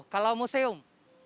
tiga puluh kalau museum